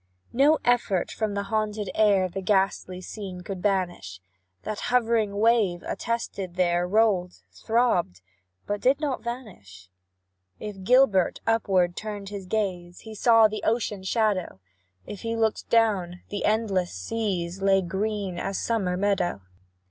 No effort from the haunted air The ghastly scene could banish, That hovering wave, arrested there, Rolled throbbed but did not vanish. If Gilbert upward turned his gaze, He saw the ocean shadow; If he looked down, the endless seas Lay green as summer meadow.